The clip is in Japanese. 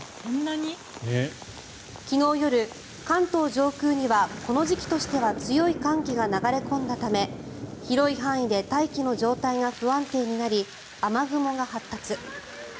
昨日夜、関東上空にはこの時期としては強い寒気が流れ込んだため広い範囲で大気の状態が不安定になり雨雲が発達。